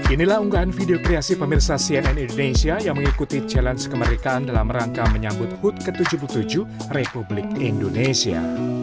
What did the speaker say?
inilah unggahan video kreasi pemirsa cnn indonesia yang mengikuti challenge kemerdekaan dalam rangka menyambut hud ke tujuh puluh tujuh republik indonesia